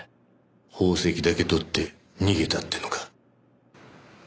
宝石だけ取って逃げたってのか？